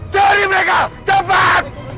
cari mereka cepat